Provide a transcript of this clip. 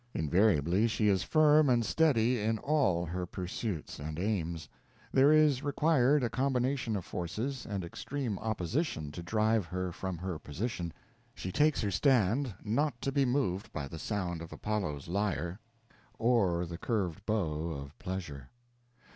Invariably she is firm and steady in all her pursuits and aims. There is required a combination of forces and extreme opposition to drive her from her position; she takes her stand, not to be moved by the sound of Apollo's lyre or the curved bow of pleasure.